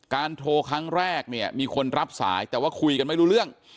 โทรครั้งแรกเนี่ยมีคนรับสายแต่ว่าคุยกันไม่รู้เรื่อง